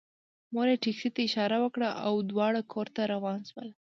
مور یې ټکسي ته اشاره وکړه او دواړه کور ته روان شول